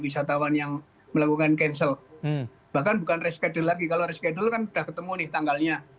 wisatawan yang melakukan cancel bahkan bukan reschedule lagi kalau reschedule kan udah ketemu nih tanggalnya